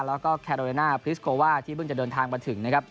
แล้วก็แคโรเดน่าพริสโกว่าที่เพิ่งจะเดินทางมาถึงนะครับ